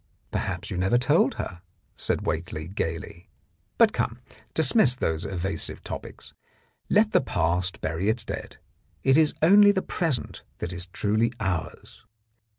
" Perhaps you never told her," said Whately gaily. "But come, dismiss those evasive topics. Let the past bury its dead. It is only the present that is truly ours."